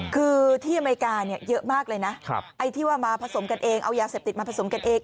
คือที่อเมริกาเนี่ยเยอะมากเลยนะไอ้ที่ว่ามาผสมกันเองเอายาเสพติดมาผสมกันเอง